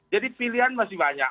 jadi pilihan masih banyak